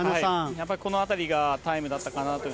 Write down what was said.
やっぱりこのあたりがタイムだったかなという。